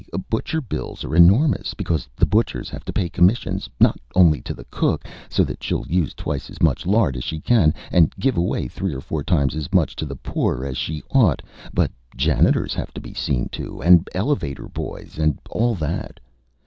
Butcher bills are enormous, because the butchers have to pay commissions, not only to the cook, so that she'll use twice as much lard as she can, and give away three or four times as much to the poor as she ought, but janitors have to be seen to, and elevator boys, and all that.